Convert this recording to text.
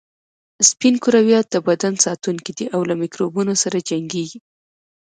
سپین کرویات د بدن ساتونکي دي او له میکروبونو سره جنګیږي